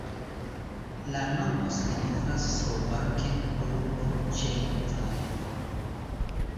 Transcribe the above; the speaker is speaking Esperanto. La nomo signifas slovake urbo ĉe valo.